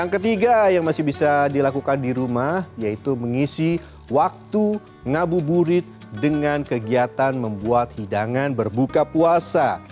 ketiga yang masih bisa dilakukan di rumah yaitu mengisi waktu ngabuburit dengan kegiatan membuat hidangan berbuka puasa